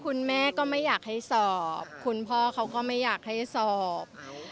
คุณแม่ก็ไม่อยากให้สอบคุณพ่อเขาก็ไม่อยากให้สอบ